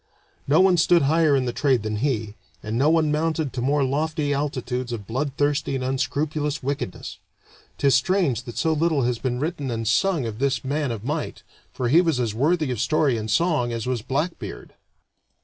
No one stood higher in the trade than he, and no one mounted to more lofty altitudes of bloodthirsty and unscrupulous wickedness. 'Tis strange that so little has been written and sung of this man of might, for he was as worthy of story and of song as was Blackbeard.